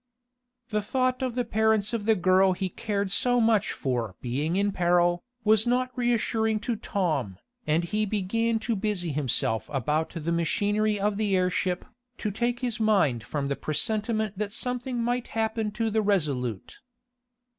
The thought of the parents of the girl he cared so much for being in peril, was not reassuring to Tom, and he began to busy himself about the machinery of the airship, to take his mind from the presentiment that something might happen to the RESOLUTE.